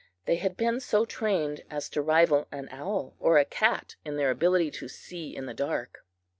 They had been so trained as to rival an owl or a cat in their ability to see in the dark.